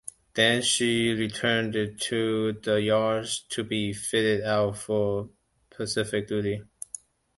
Then, she returned to the yards to be fitted out for Pacific duty.